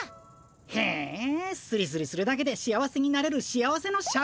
へえスリスリするだけで幸せになれる幸せのシャクか。